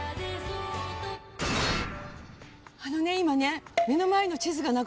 あのね今ね。